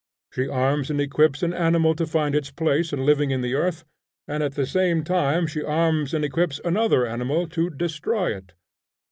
She arms and equips an animal to find its place and living in the earth, and at the same time she arms and equips another animal to destroy it.